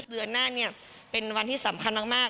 เดือนหน้าเนี่ยเป็นวันที่สำคัญมาก